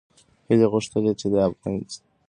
هیلې غوښتل چې د اسمان په څېر ازاده اوسي.